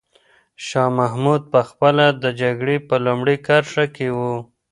شاه محمود په خپله د جګړې په لومړۍ کرښه کې و.